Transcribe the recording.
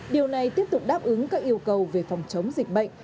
điều này tiếp tục đáp ứng các yêu cầu về phòng chống dịch bệnh